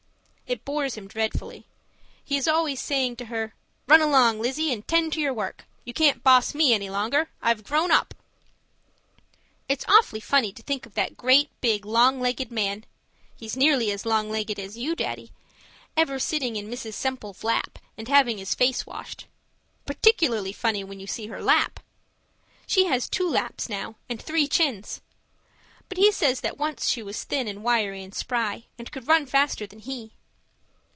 It bores him dreadfully. He's always saying to her: 'Run along, Lizzie, and tend to your work. You can't boss me any longer. I've grown up.' It's awfully funny to think of that great big, long legged man (he's nearly as long legged as you, Daddy) ever sitting in Mrs. Semple's lap and having his face washed. Particularly funny when you see her lap! She has two laps now, and three chins. But he says that once she was thin and wiry and spry and could run faster than he.